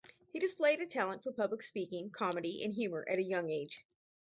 He displayed a talent for public speaking, comedy, and humor at a young age.